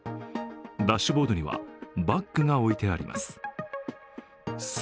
ダッシュボードにはバッグが置いてあります。